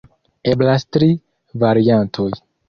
Eblas tri variantoj.